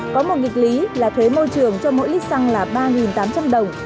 có một nghịch lý là thuế môi trường cho mỗi lít xăng là ba tám trăm linh đồng